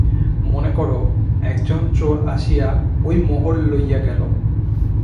মনে কর, একজন চোর আসিয়া ঐ মোহর লইয়া গেল।